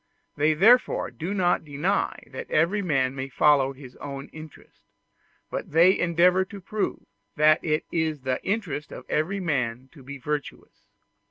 They therefore do not deny that every man may follow his own interest; but they endeavor to prove that it is the interest of every man to be virtuous.